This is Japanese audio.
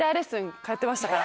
通ってましたから。